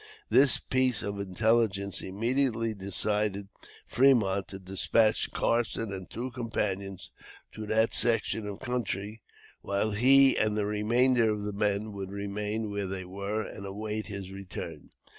This piece of intelligence immediately decided Fremont to dispatch Carson and two companions to that section of country, while he and the remainder of the men would remain where they were and await his return.